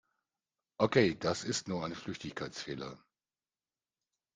Okay, das ist nur ein Flüchtigkeitsfehler.